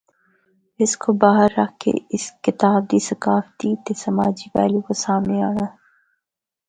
اس کو باہر رکھ کہ اس کتاب دی ثقافتی تے سماجی پہلو کو سامنڑے آنڑاں۔